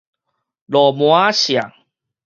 鱸鰻仔舍